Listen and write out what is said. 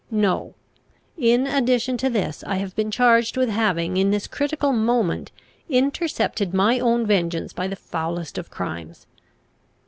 No: in addition to this, I have been charged with having in this critical moment intercepted my own vengeance by the foulest of crimes.